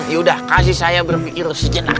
yaudah kasih saya berpikir sejenak